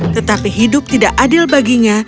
tetapi hidup tidak adil baginya